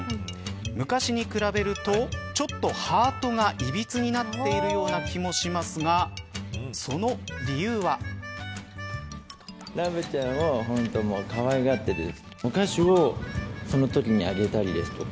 昔に比べるとちょっとハートがいびつになっているような気もしますがその理由は。ということで１位はラブちゃんです。